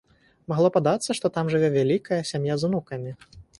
Магло падацца, што там жыве вялікая сям'я з унукамі.